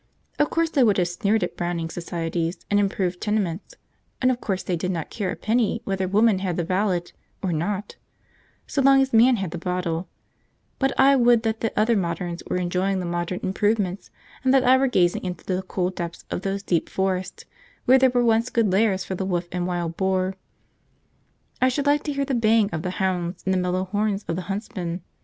Of course they would have sneered at Browning Societies and improved tenements, and of course they did not care a penny whether woman had the ballot or not, so long as man had the bottle; but I would that the other moderns were enjoying the modern improvements, and that I were gazing into the cool depths of those deep forests where there were once good lairs for the wolf and wild boar. I should like to hear the baying of the hounds and the mellow horns of the huntsman.